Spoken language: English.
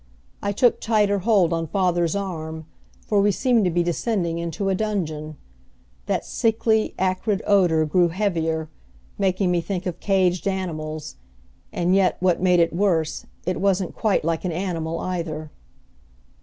I took tighter hold on father's arm, for we seemed to be descending into a dungeon. That sickly, acrid odor grew heavier, making me think of caged animals, and yet, what made it worse, it wasn't quite like an animal either.